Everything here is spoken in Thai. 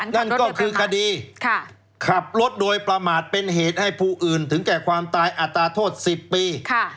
นั่นก็คือคดีขับรถโดยประมาทเป็นเหตุให้ผู้อื่นถึงแก่ความตายอัตราโทษ๑๐ปี